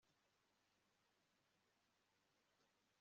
yasobanuye neza ko adashobora kubikora mugihe cyinama